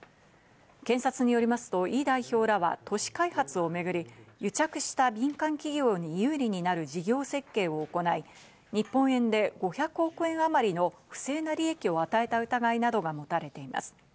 検察によりますとイ代表らは都市開発をめぐり、癒着した民間企業に有利になる事業設計を行い、日本円で５００億円あまりの不正な利益を与えた疑いなどが持たれています。